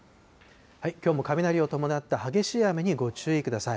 きょうも雷を伴った激しい雨にご注意ください。